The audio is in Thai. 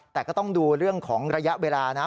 แต่ก็ต้องดูเรื่องของระยะเวลานะ